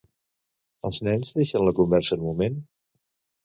Els nens deixen la conversa un moment?